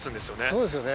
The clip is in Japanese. そうですよね。